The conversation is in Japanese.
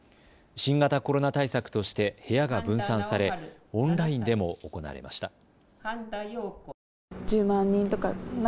新型コロナ対策として部屋が分散され、オンラインでも行われました。